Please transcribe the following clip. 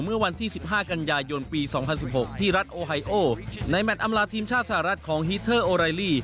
เมื่อวันที่๑๕กันยายนปี๒๐๑๖ที่รัฐโอไฮโอในแมทอำลาทีมชาติสหรัฐของฮีเทอร์โอไรลี่